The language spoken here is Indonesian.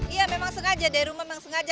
iya memang sengaja dari rumah memang sengaja